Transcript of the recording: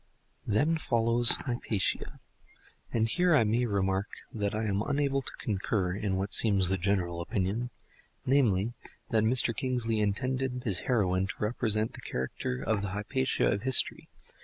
Then follows Hypatia. And here I may remark that I am unable to concur in what seems the general opinion—namely, that Mr. Kingsley intended his heroine to represent the character of the Hypatia of history.